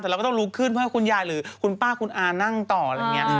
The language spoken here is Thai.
แต่เราก็ต้องลุกขึ้นเพื่อให้คุณยายหรือคุณป้าคุณอานั่งต่ออะไรอย่างนี้